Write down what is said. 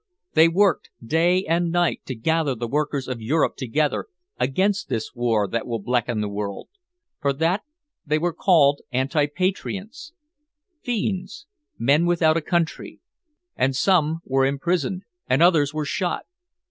They worked day and night to gather the workers of Europe together against this war that will blacken the world. For that they were called anti patriots, fiends, men without a country. And some were imprisoned and others were shot.